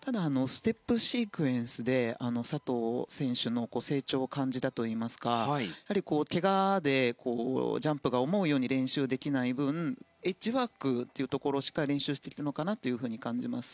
ただ、ステップシークエンスで佐藤選手の成長を感じたといいますかけがでジャンプが思うように練習できない分エッジワークをしっかり練習してきたのかなと感じます。